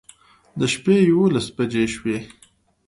د شپې يوولس بجې شوې